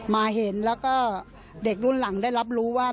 มาเห็นแล้วก็เด็กรุ่นหลังได้รับรู้ว่า